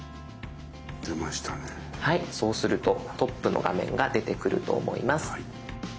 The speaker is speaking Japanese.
そうするとトップの画面が出てくると思います。